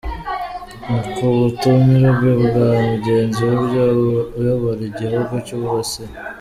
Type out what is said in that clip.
Ni ku ubutumirwe bwa mugenzi we uyobora igihugu cy’u Burusiya.